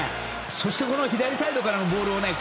そして、左サイドからのボール。